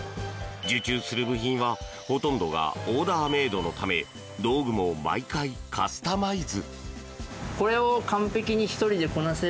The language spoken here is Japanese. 受注する部品はほとんどがオーダーメイドのため道具も毎回カスタマイズ。